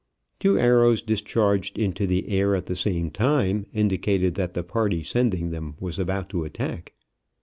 Two arrows discharged into the air at the same time indicated that the party sending them was about to attack.